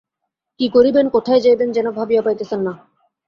কি করিবেন কোথায় যাইবেন যেন ভাবিয়া পাইতেছেন না।